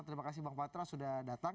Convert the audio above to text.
terima kasih bang patra sudah datang